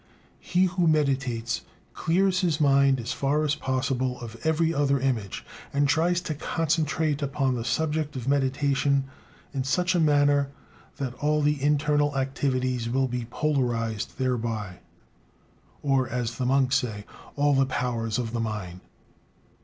He who meditates clears his mind as far as possible of every other image, and tries to concentrate upon the subject of meditation in such a manner that all the internal activities will be polarised thereby: or, as the monks say, "all the powers of the mind."